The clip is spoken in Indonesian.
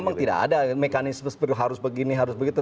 memang tidak ada mekanisme seperti harus begini harus begitu